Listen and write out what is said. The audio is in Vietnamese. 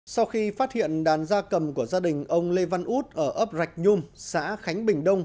sau khi phát hiện đàn gia cầm của gia đình ông lê văn út ở ấp rạch nhum xã khánh bình đông